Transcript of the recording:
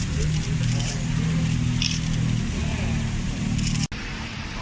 สวัสดีครับ